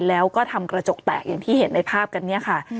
แล้วก็ทำกระจกแตกอย่างที่เห็นในภาพกันเนี่ยค่ะ